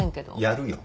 やるよ。